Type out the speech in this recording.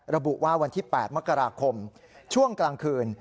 ระบุว่าวันที่๘มกราคมช่วงกลางคืน